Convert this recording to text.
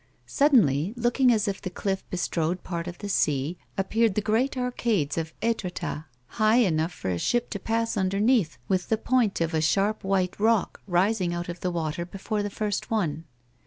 Suddenly, looking as if the cliff bestrode part of the sea, appeared the great arcades of Etretat, high enough for a ship to pass underneath with tlie point of a sharp white rock rising out of the water before the first one.